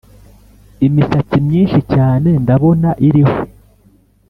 imisatsi myinshi cyane ndabona, iriho